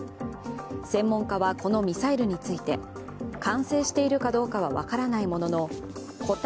専門家はこのミサイルについて完成しているかどうかは分からないものの固体